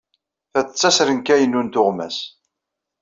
Ta d tasrenka-inu n tuɣmas.